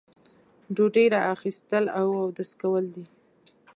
ډوډۍ را اخیستل او اودس کول دي.